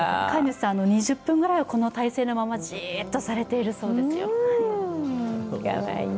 飼い主さん、２０分ぐらいこの体勢のままじっとされているそうです。